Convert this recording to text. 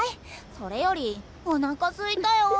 それよりおなかすいたよ。